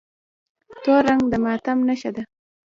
تور رنګ د ماتم نښه ده.